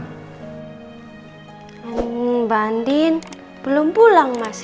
hmm mbak andin belum pulang mas